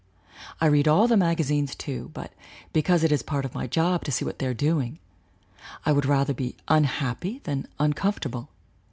I read all the magazines, too, but because it is part of my job to see what they are doing. I would rather be unhappy than uncom fortable.